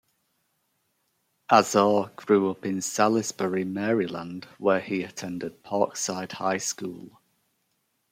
Azar grew up in Salisbury, Maryland, where he attended Parkside High School.